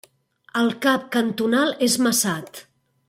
El cap cantonal és Massat.